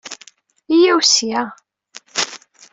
Yya-w ssya.